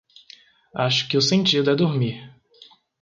acho que o sentido é dormir.